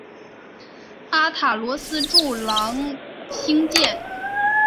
阿塔罗斯柱廊兴建。